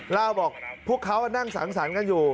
เล่าบอกพวกเขานั่งสังสรรค์กันอยู่